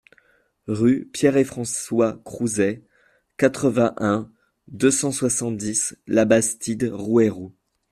Rue Pierre et François Crouzet, quatre-vingt-un, deux cent soixante-dix Labastide-Rouairoux